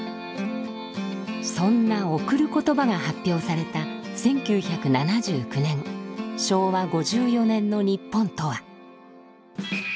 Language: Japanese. そんな「贈る言葉」が発表された１９７９年昭和５４年の日本とは。